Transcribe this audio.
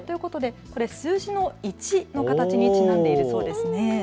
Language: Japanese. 数字の１の形にちなんでいるそうなんです。